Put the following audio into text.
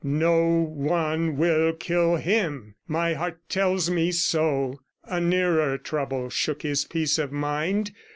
"No one will kill HIM! ... My heart tells me so." A nearer trouble shook his peace of mind.